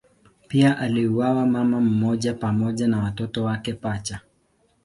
Pia aliuawa mama mmoja pamoja na watoto wake pacha.